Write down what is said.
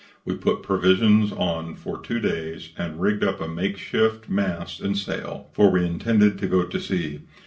We put provisions on for two days and rigged up a make shift mast and sail, for we intended to go to sea.